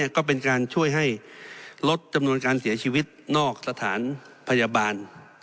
ก็เป็นการช่วยให้ลดจำนวนการเสียชีวิตนอกสถานพยาบาล